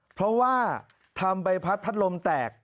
เพราะว่าทำใบพัดพัดลมแตก